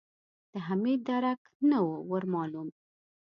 د حميد درک نه و ور مالوم.